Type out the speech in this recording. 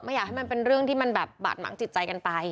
อยากให้มันเป็นเรื่องที่มันแบบบาดหมางจิตใจกันไป